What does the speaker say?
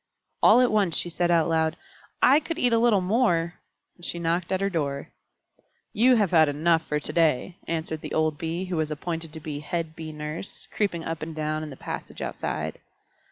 All at once she said out loud, "I could eat a little more," and she knocked at her door. "You have had enough for to day," answered the old Bee who was appointed to be head Bee Nurse, creeping up and down in the passage outside.